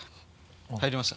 入りました。